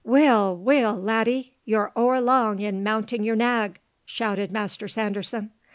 "Weel, weel, laddy, you're o'er long in mounting your nag!" shouted Master Sanderson.